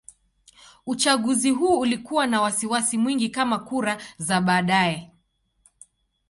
Uchaguzi huu ulikuwa na wasiwasi mwingi kama kura za baadaye.